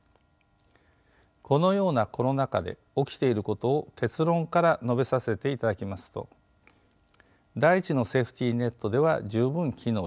このようなコロナ下で起きていることを結論から述べさせていただきますと第１のセーフティーネットでは十分機能しない。